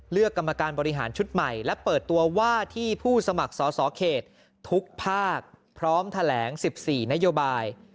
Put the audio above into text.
กรรมการบริหารชุดใหม่และเปิดตัวว่าที่ผู้สมัครสอสอเขตทุกภาคพร้อมแถลง๑๔นโยบาย